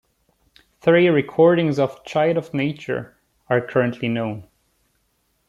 Three recordings of "Child of Nature" are currently known.